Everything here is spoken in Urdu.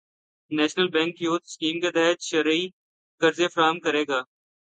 نیشنل بینک یوتھ اسکیم کے تحت شرعی قرضے فراہم کرے گا